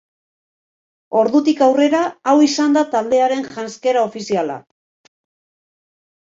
Ordutik aurrera hau izan da taldearen janzkera ofiziala.